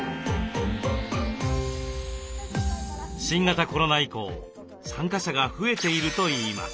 新型コロナ以降参加者が増えているといいます。